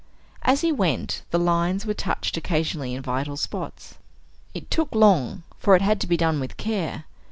As he went the lines were touched occasionally in vital spots. It took long, for it had to be done with care.